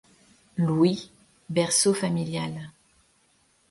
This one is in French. Louis, berceau familial.